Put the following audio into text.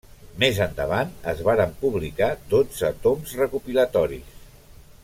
Més endavant, es varen publicar dotze toms recopilatoris.